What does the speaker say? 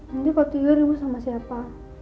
nanti kok tiga ribu sama siapa